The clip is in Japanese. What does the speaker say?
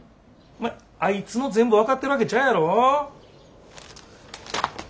お前あいつの全部分かってるわけちゃうやろ。